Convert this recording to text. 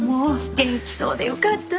元気そうでよかった！